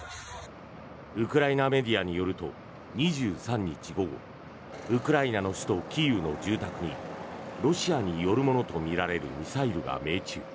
ウクライナメディアによると２３日午後ウクライナの首都キーウの住宅にロシアによるものとみられるミサイルが命中。